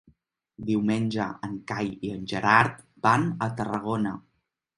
Diumenge en Cai i en Gerard van a Tarragona.